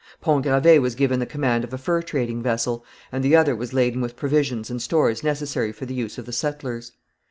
Pont Gravé was given the command of a fur trading vessel, and the other was laden with provisions and stores necessary for the use of the settlers.